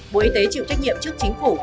bộ y tế chịu trách nhiệm trước chính phủ